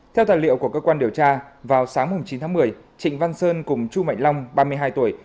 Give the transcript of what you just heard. theo tài liệu của cơ quan điều tra vào sáng chín tháng một mươi trịnh văn sơn cùng chu mạnh long ba mươi hai tuổi